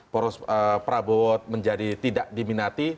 poros prabowo menjadi tidak diminati